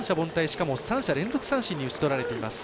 しかも三者連続三振に打ち取られています。